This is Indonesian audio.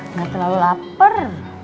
nggak terlalu lapar